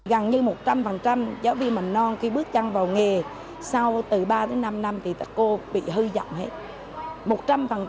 gần như một trăm linh giáo viên mầm non khi bước chăng vào nghề sau từ ba đến năm năm thì cô bị hư dọng hết